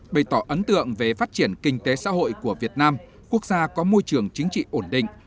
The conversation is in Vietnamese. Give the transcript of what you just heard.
bày tỏ ấn tượng về phát triển kinh tế xã hội của việt nam quốc gia có môi trường chính trị ổn định